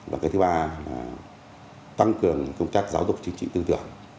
và cái thứ ba là tăng cường công tác giáo dục chính trị tư tưởng